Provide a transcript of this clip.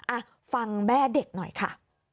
อ่ะฟังแม่เด็กหน่อยค่ะ